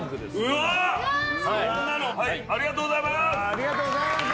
ありがとうございます。